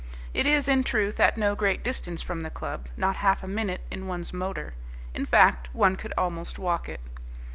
It is, in truth, at no great distance from the club, not half a minute in one's motor. In fact, one could almost walk it.